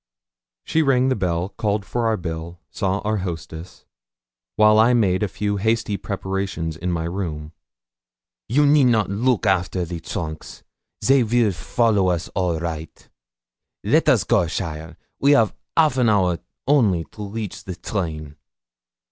She rang the bell, called for our bill, saw our hostess; while I made a few hasty prepartions in my room. 'You need not look after the trunks they will follow us all right. Let us go, cheaile we 'av half an hour only to reach the train.'